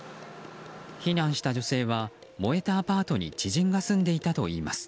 避難した女性は燃えたアパートに知人が住んでいたといいます。